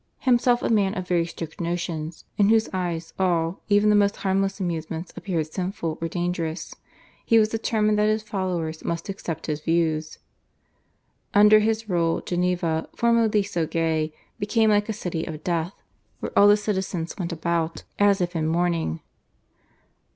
Himself a man of very strict notions, in whose eyes all even the most harmless amusements appeared sinful or dangerous, he was determined that his followers must accept his views. Under his rule Geneva, formerly so gay, became like a city of death, where all citizens went about as if in mourning.